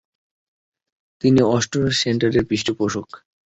তিনি অ্যাক্টরস সেন্টারের পৃষ্ঠপোষক।